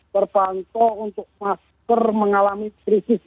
terpantau untuk masker mengalami krisis